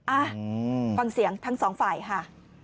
อ่ะฟังเสียงทั้งสองฝ่ายค่ะ